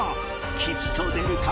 吉と出るか？